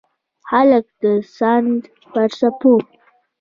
هلک د سیند پر څپو